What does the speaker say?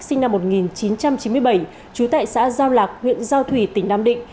sinh năm một nghìn chín trăm chín mươi bảy trú tại xã giao lạc huyện giao thủy tỉnh nam định